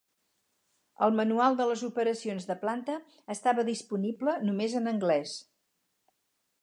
El manual de les operacions de planta estava disponible només en anglès.